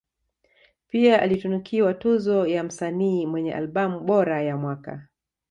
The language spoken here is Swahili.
Pia alitunukiwa tuzo ya msanii mwenye albamu bora ya mwaka